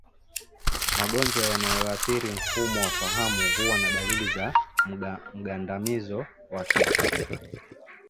Magonjwa yanayoathiri mfumo wa fahamu huwa na dalili za mgandamizo wa kichwa